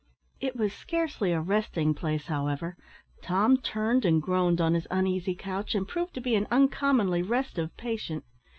It was scarcely a resting place, however. Tom turned and groaned on his uneasy couch, and proved to be an uncommonly restive patient.